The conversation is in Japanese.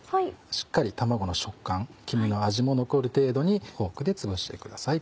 しっかり卵の食感黄身の味も残る程度にフォークでつぶしてください。